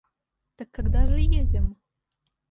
Так когда же едем?